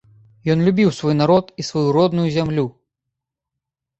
Ён любіў свой народ і сваю родную зямлю.